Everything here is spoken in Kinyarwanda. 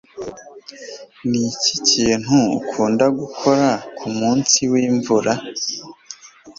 Niki kintu ukunda gukora kumunsi wimvura?